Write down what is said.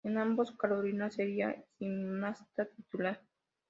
En ambos Carolina sería gimnasta titular.